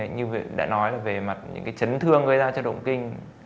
như đã nói là về mặt những cái chấn thương gây ra cho động kinh